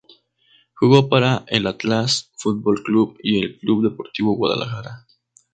Jugó para el Atlas Fútbol Club y el Club Deportivo Guadalajara.